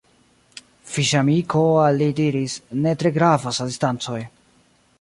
Fiŝamiko al li diris "Ne tre gravas la distancoj.